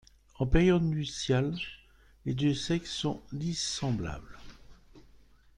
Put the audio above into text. En période nuptiale, les deux sexes sont dissemblables.